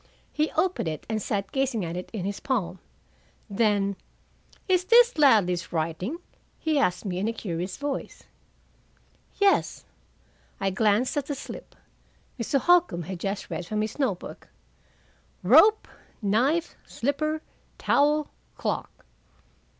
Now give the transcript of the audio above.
He opened it and sat gazing at it in his palm. Then, "Is this Ladley's writing?" he asked me in a curious voice. "Yes." I glanced at the slip. Mr. Holcombe had just read from his note book: "Rope, knife, slipper, towel, clock."